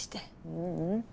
ううん。